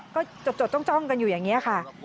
ก็จดจ้องกันอยู่อย่างนี้ค่ะ